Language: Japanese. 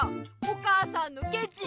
お母さんのケチ！